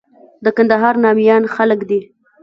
د کندهار ناميان خلک دي.